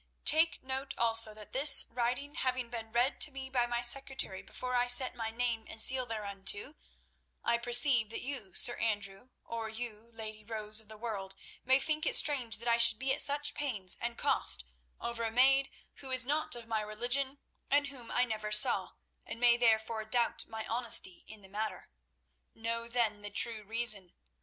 "Take note also that this writing having been read to me by my secretary before I set my name and seal thereunto, I perceive that you, Sir Andrew, or you, Lady Rose of the World, may think it strange that I should be at such pains and cost over a maid who is not of my religion and whom I never saw, and may therefore doubt my honesty in the matter. Know then the true reason.